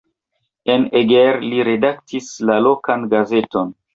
En Eger li redaktis la lokan gazeton.